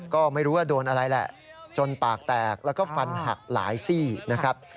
ก็ไม่รู้ว่าโดนอะไรแหละจนปากแตกแล้วก็ฟันหักหลายซี่นะครับ